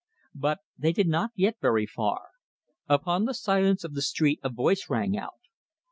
But they did not get very far. Upon the silence of the street a voice rang out.